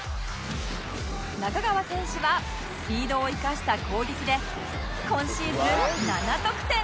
仲川選手はスピードを生かした攻撃で今シーズン７得点